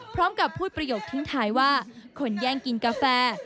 พร้อมกับพูดประโยคทิ้งท้ายว่าคนแย่งกินกาแฟ